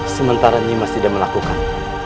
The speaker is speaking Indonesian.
sementara nimas tidak melakukan